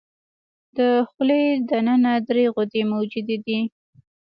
د خولې د ننه درې غدې موجودې دي.